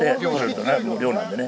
漁なんでね。